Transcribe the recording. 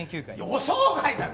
予想外だ！